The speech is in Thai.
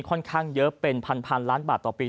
ค่อนข้างเยอะเป็นพันล้านบาทต่อปี